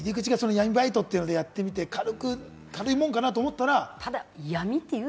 入り口が闇バイトでやってみて軽いものかなと思ってみたら。